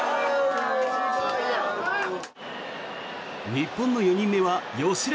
日本の４人目は吉田。